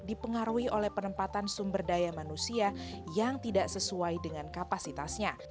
dipengaruhi oleh penempatan sumber daya manusia yang tidak sesuai dengan kapasitasnya